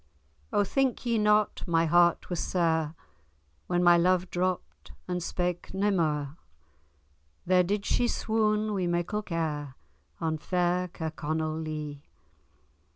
O think ye not my heart was sair, When my love dropt and spak nae mair! There did she swoon wi' meikle care, On fair Kirkconnell Lee.